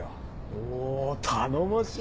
お頼もしい。